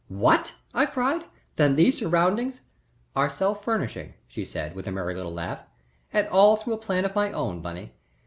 "What?" I cried. "Then these surroundings " "Are self furnishing," she said, with a merry little laugh, "and all through a plan of my own, Bunny.